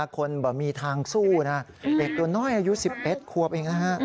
คนมีทางสู้นะเด็กตัวน้อยอายุ๑๑ควบเองนะฮะ